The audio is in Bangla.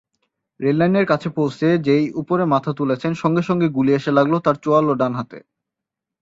রেললাইনের কাছে পৌঁছে যেই ওপরে মাথা তুলেছেন, সঙ্গে সঙ্গে গুলি এসে লাগল তার চোয়াল ও ডান হাতে।